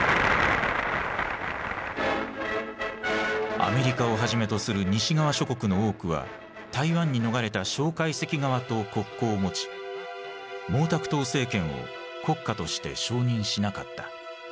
アメリカをはじめとする西側諸国の多くは台湾に逃れた介石側と国交を持ち毛沢東政権を国家として承認しなかった。